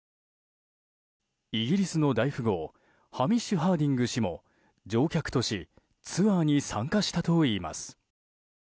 イギリスの大富豪ハミッシュ・ハーディング氏も乗客としツアーに参加したといいます。